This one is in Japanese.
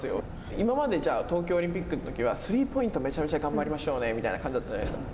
今まで東京オリンピックのときはスリーポイント、めちゃめちゃ頑張りましょうねみたいな感じだったじゃないですか。